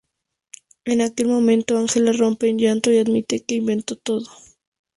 En aquel momento, Angela rompe en llanto y admite que inventó todo.